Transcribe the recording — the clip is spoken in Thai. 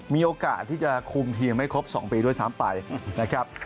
มีโอกาสที่จะคุมทีมไม่ครบ๒ปีด้วยซ้ำไปนะครับ